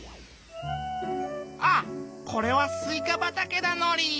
あっこれはすいかばたけだのりぃ！